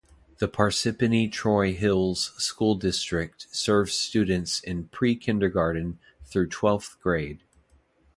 The Parsippany-Troy Hills School District serves students in pre-kindergarten through twelfth grade.